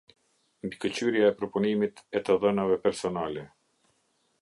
Mbikëqyrja e përpunimit e të dhënave personale.